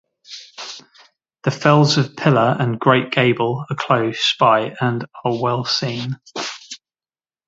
The fells of Pillar and Great Gable are close by and are well seen.